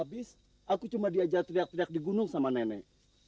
abis aku cuma diajak teriak teriak di gunung sama nenek